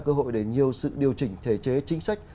cơ hội để nhiều sự điều chỉnh thể chế chính sách